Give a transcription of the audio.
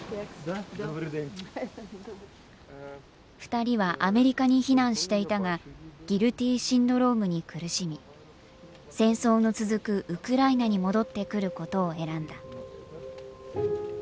２人はアメリカに避難していたがギルティシンドロームに苦しみ戦争の続くウクライナに戻ってくることを選んだ。